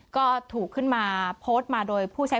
ก็ถูกขึ้นมาโพสต์มาโดยผู้ใช้